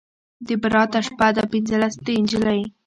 د براته شپه ده پنځلسی دی نجلۍ